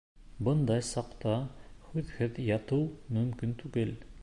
Бындай саҡта һүҙһеҙ ятыу мөмкин түгел.